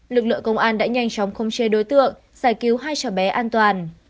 lực lượng công an đã nhanh chóng khống chế đối tượng giải cứu hai cháu bé an toàn